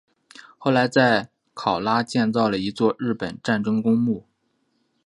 后来在考拉建造了一座日本战争公墓。